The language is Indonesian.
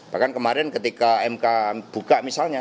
bahkan kemarin ketika mk buka misalnya